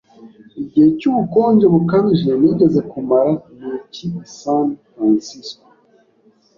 Igihe cy'ubukonje bukabije nigeze kumara ni icyi i San Francisco.